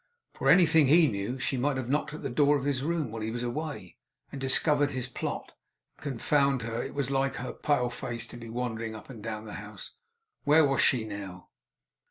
For anything he knew, she might have knocked at the door of his room, while he was away, and discovered his plot. Confound her, it was like her pale face to be wandering up and down the house! Where was she now?